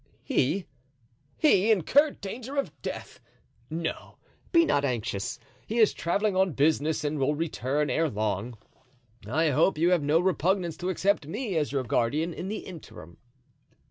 "He—he—incur danger of death! No, be not anxious; he is traveling on business and will return ere long. I hope you have no repugnance to accept me as your guardian in the interim."